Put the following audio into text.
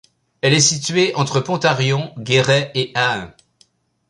Elle est située entre Pontarion, Guéret et Ahun.